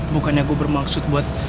bukannya gue bermaksud buat